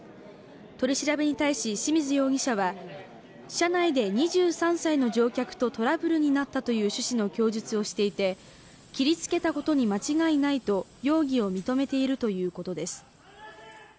取り調べに対し清水容疑者は、車内で２３歳の乗客とトラブルになったという趣旨の趣旨の供述をしていて切りつけたことに間違いないと容疑を認めているということです。